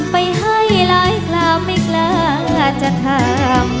ไปให้ลายกลาไม่กลาจะทำ